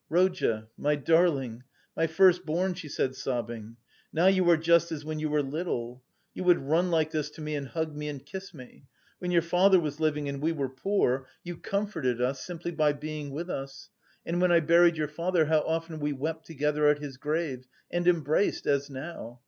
"Rodya, my darling, my first born," she said sobbing, "now you are just as when you were little. You would run like this to me and hug me and kiss me. When your father was living and we were poor, you comforted us simply by being with us and when I buried your father, how often we wept together at his grave and embraced, as now.